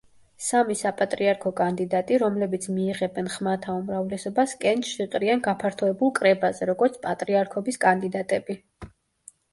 სამი საპატრიარქო კანდიდატი, რომლებიც მიიღებენ ხმათა უმრავლესობას, კენჭს იყრიან გაფართოებულ კრებაზე, როგორც პატრიარქობის კანდიდატები.